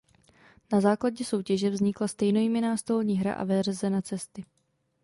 Na základě soutěže vznikla stejnojmenná stolní hra a verze na cesty.